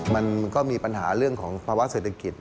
มันก็มีปัญหาเรื่องของภาวะเศรษฐกิจ